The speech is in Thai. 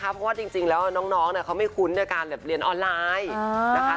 เพราะว่าจริงแล้วน้องเขาไม่คุ้นในการเรียนออนไลน์นะคะ